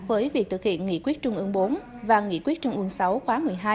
với việc thực hiện nghị quyết trung ương bốn và nghị quyết trung ương sáu khóa một mươi hai